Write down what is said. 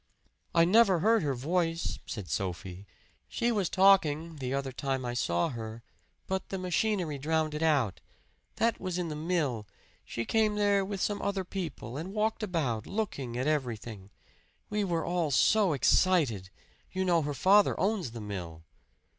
"I never heard her voice," said Sophie. "She was talking, the other time I saw her, but the machinery drowned it out. That was in the mill she came there with some other people and walked about, looking at everything. We were all so excited. You know, her father owns the mill."